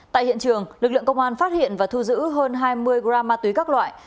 tại hiện trường lực lượng công an phát hiện và thu giữ hơn hai mươi gram ma túy các loại